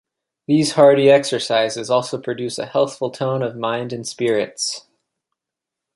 These hardy exercises also produce a healthful tone of mind and spirits.